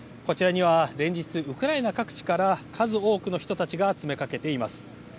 こちらには連日ウクライナ各地から数多くの人が詰めかけています。